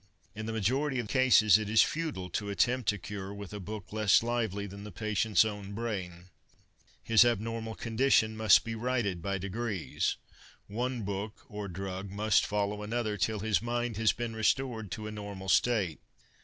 In the majority of cases it is futile to attempt a cure with a book less lively than the patient's own brain. His abnormal condition must be righted by degrees. One book, or drug, must follow another, till his mind has been restored to a normal state.